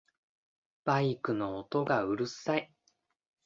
バイクの音がうるさい